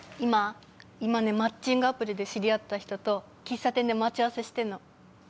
今ねマッチングアプリで知り合った人と喫茶店で待ち合わせしてるの。